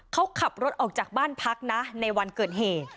เขาขับรถออกจากบ้านพักนะในวันเกิดเหตุ